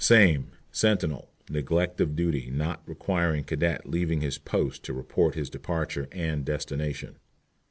SAME. Sentinel, neglect of duty, not requiring cadet leaving his post to report his departure and destination.